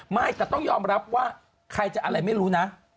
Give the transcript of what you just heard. ไม่แต่ต้องยอมรับว่าใครจะอะไรไม่รู้นะ